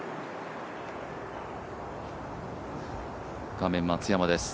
画面、松山です。